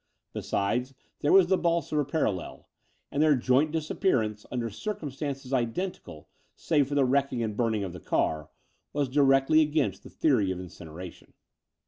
Besides, there was the Bolsover parallel ; and their joint disappearance under circumstances identical, save for the wrecking and burning of the car, was directly against the theory of incineration.